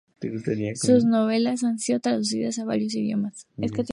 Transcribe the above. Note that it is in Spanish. Sus novelas han sido traducidas a varios idiomas.